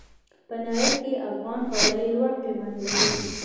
په نړۍ کې افغاني غالۍ لوړ قیمت لري.